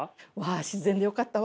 あ自然でよかった。